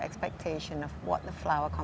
apakah itu menurut keharusan anda